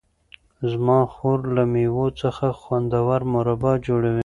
زما خور له مېوو څخه خوندور مربا جوړوي.